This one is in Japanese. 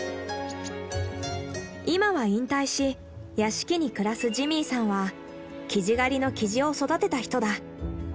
今は引退し屋敷に暮らすジミーさんはキジ狩りのキジを育てた人だ。